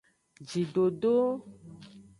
Jidodo.